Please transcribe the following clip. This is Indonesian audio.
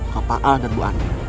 ke pak al dan bu an